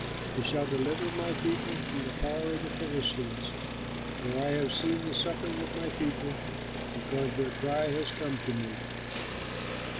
He shall deliver my people from the power of the Philistines; for I have seen the suffering of my people, because their cry has come to me."